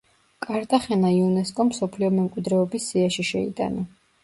კარტახენა იუნესკომ მსოფლიო მემკვიდრეობის სიაში შეიტანა.